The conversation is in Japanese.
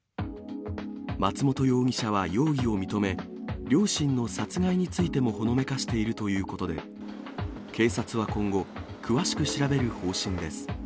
松本容疑者は容疑を認め、両親の殺害についてもほのめかしているということで、警察は今後、詳しく調べる方針です。